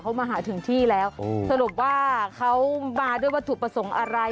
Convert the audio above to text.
เขามาหาถึงที่แล้วสรุปว่าเขามาด้วยวัตถุประสงค์อะไร